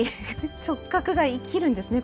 直角が生きるんですね